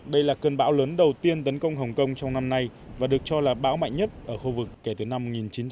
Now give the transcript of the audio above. đây là cơn bão lớn đầu tiên tấn công hồng kông trong năm nay và được cho là bão mạnh nhất ở khu vực kể từ năm một nghìn chín trăm bảy mươi